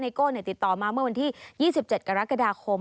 โก้ติดต่อมาเมื่อวันที่๒๗กรกฎาคม